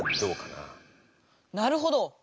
なるほど！